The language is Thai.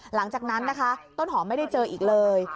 หลังจากนั้นนะคะต้นหอมไม่ได้เจออีกเลย